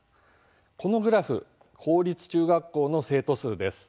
このグラフ公立中学校の生徒数です。